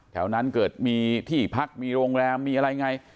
แถวนั้นเกิดมีที่พักมีโรงแรมมีอะไรไง